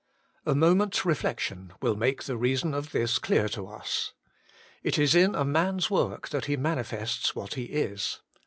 A moment's reflection will make the reason of this clear to us. It is in a man's work that he manifests what he is.